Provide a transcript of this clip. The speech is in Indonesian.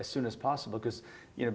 saya pikir bahwa indonesia